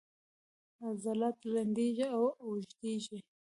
عضلات لنډیږي او اوږدیږي